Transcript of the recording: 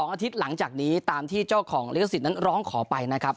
อาทิตย์หลังจากนี้ตามที่เจ้าของลิขสิทธิ์นั้นร้องขอไปนะครับ